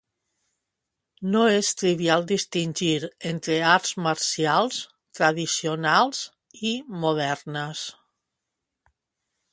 No és trivial distingir entre arts marcials "tradicionals" i "modernes".